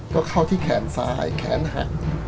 ก็เข้าที่แขนซ้ายแขนหัก